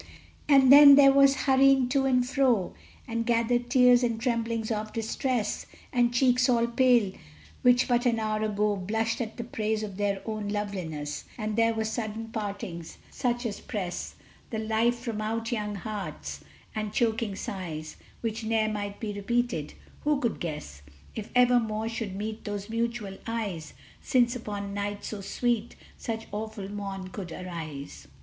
Ah! then and there was hurrying to and fro, And gathering tears, and tremblings of distress, And cheeks all pale, which but an hour ago Blushed at the praise of their own loveliness: And there were sudden partings, such as press The life from out young hearts; and choking sighs, Which ne'er might be repeated: who could guess If ever more should meet those mutual eyes, Since upon night so sweet such awful morn could rise!